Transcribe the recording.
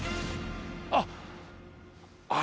あっ！